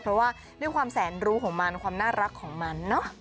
เพราะว่าด้วยความแสนรู้ของมันความน่ารักของมันเนอะ